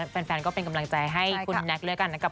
แฟนก็เป็นกำลังใจให้คุณแน็กด้วยกันนะครับ